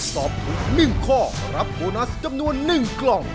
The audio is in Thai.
ตอบถูก๑ข้อรับโบนัสจำนวน๑กล่อง